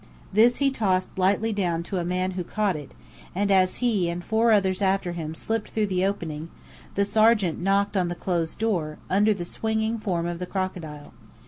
This he tossed lightly down to a man who caught it, and as he and four others after him slipped through the opening, the sergeant knocked on the closed door, under the swinging form of the crocodile.